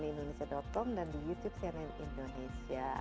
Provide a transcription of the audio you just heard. di indonesia com dan di youtube cnn indonesia